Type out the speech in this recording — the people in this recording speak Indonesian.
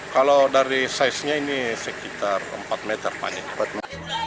kalau dari saiznya ini sekitar empat meter panjang